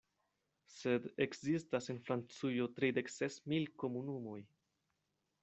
Sed ekzistas en Francujo tridekses mil komunumoj.